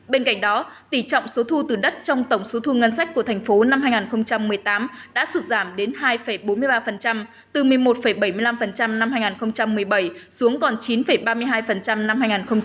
bên cạnh đó tỷ trọng số thu từ đất trong tổng số thu ngân sách của thành phố năm hai nghìn một mươi tám đã sụt giảm đến hai bốn mươi ba từ một mươi một bảy mươi năm năm hai nghìn một mươi bảy xuống còn chín ba mươi hai năm hai nghìn một mươi bảy